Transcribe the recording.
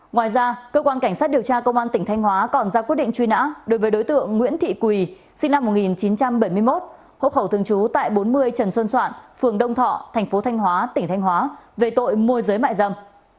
ngoài ra cơ quan cảnh sát điều tra công an tỉnh thanh hóa còn ra quyết định truy nã đối với đối tượng nguyễn thị quỳ sinh năm một nghìn chín trăm bảy mươi một hộ khẩu thường trú tại bốn mươi trần xuân soạn phường đông thọ thành phố thanh hóa tỉnh thanh hóa về tội môi giới mại dâm